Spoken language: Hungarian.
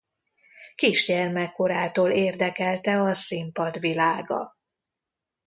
Kisgyermekkorától érdekelte a színpad világa.